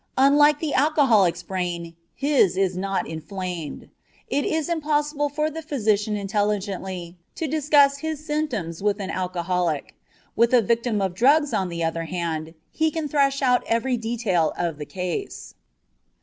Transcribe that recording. Unlike the alcoholic's brain, his is not inflamed. It is impossible for the physician intelligently to discuss his symptoms with an alcoholic; with a victim of drugs, on the other hand, he can thresh out every detail of the case.